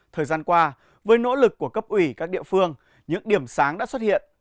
thời gian qua với nỗ lực của cấp ủy các địa phương những điểm sáng đã xuất hiện